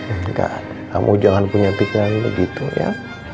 enggak kamu jangan punya pikiran begitu ya